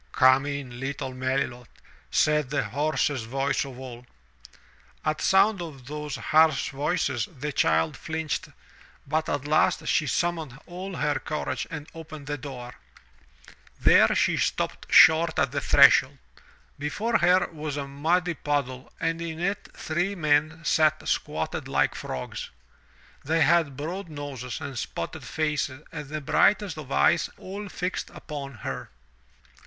"Come in, little Melilot," said the hoarsest voice of all. At sound of those harsh voices the child flinched, but at last she summoned all her courage and opened the door. There she ♦Retold from the story in Oberon's Horn by Henry Morley. 242 THROUGH FAIRY HALLS Stopped short on the threshold. Before her was a muddy puddle and in it three men sat squatted like frogs. They had broad noses and spotted faces and the brightest of eyes all fixed upon her.